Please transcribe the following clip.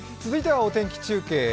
続いてはお天気中継